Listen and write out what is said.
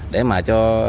để mà cho